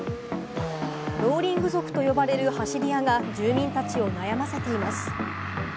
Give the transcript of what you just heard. ローリング族と呼ばれる走り屋が住民たちを悩ませています。